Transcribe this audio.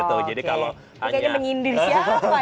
itu kayaknya mengindir siapa ya